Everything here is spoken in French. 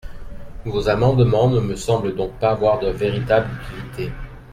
Vos amendements ne me semblent donc pas avoir de véritable utilité.